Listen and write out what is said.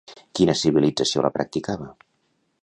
Quina civilització la practicava?